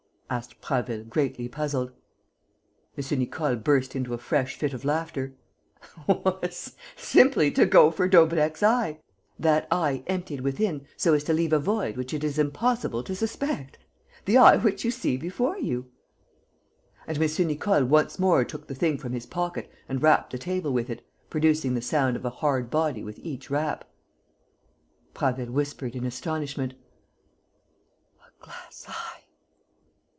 asked Prasville, greatly puzzled. M. Nicole burst into a fresh fit of laughter: "Was simply to go for Daubrecq's eye, that eye 'emptied within so as to leave a void which it is impossible to suspect,' the eye which you see before you." And M. Nicole once more took the thing from his pocket and rapped the table with it, producing the sound of a hard body with each rap. Prasville whispered, in astonishment: "A glass eye!"